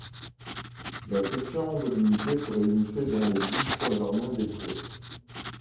La section de l'Unité se réunissait dans l’église Saint-Germain-des-Prés.